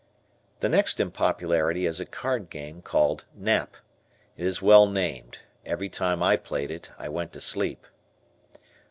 The next in popularity is a card game called "Nap." It is well named. Every time I played it I went to sleep.